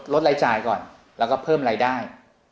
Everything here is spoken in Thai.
ลดรายจ่ายก่อนแล้วก็เพิ่มรายได้